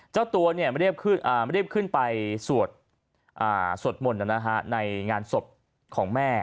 เจ้าตัวไม่เรียบขึ้นไปสวดหม่นในงานศพของแม่